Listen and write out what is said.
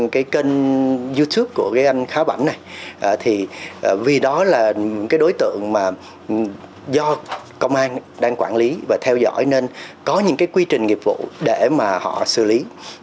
kênh youtube của anh khá bảnh này vì đó là đối tượng do công an đang quản lý và theo dõi nên có những quy trình nghiệp vụ để họ xử lý